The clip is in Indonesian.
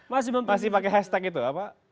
masih pakai hashtag itu apa